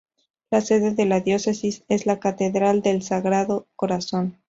La sede de la Diócesis es la Catedral del Sagrado Corazón.